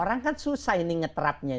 orang kan susah ini ngeterapnya